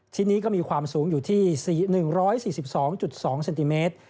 ที่นี้ก็มีความสูงอยู่ที่๑๔๒๒เซนติเมตร